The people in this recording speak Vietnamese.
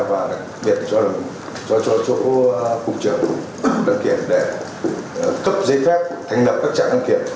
và đặc biệt cho chỗ cục trưởng cục đăng kiểm để cấp giấy phép thành lập các trạm đăng kiểm